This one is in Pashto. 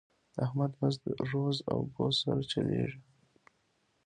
د احمد بس روز او ګوز سره چلېږي.